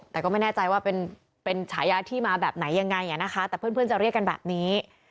แต่ก็ไม่แน่ใจว่าเป็นฉายาที่มาแบบไหนยังไงนะคะแต่เพื่อนจะเรียกกันแบบนี้